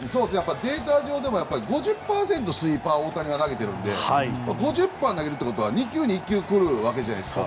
データ上でも５０％、スイーパーを大谷は投げているので５０％投げるということは２球に１球来るわけじゃないですか。